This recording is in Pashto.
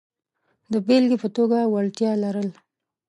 د بېلګې په توګه وړتیا لرل.